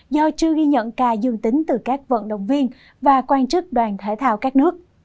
do chưa ghi nhận ca dương tính từ các vận động viên và quan chức đoàn thể thao các nước